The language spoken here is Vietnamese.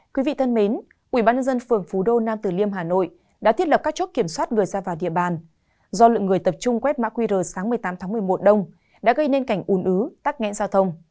quý vị thân mến ubnd phường phú đô nam tử liêm hà nội đã thiết lập các chốt kiểm soát người ra vào địa bàn do lượng người tập trung quét mã qr sáng một mươi tám tháng một mươi một đông đã gây nên cảnh un ứ tắc nghẽn giao thông